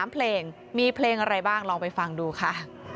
๓เพลงมีเพลงอะไรบ้างลองไปฟังดูค่ะ